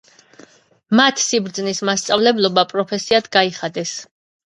მათ სიბრძნის მასწავლებლობა პროფესიად გაიხადეს.